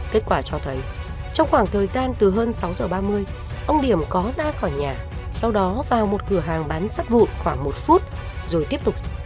kết quả cho thấy trong khoảng thời gian từ hơn sáu giờ ba mươi ông điểm có ra khỏi nhà sau đó vào một cửa hàng bán sắt vụn khoảng một phút rồi tiếp tục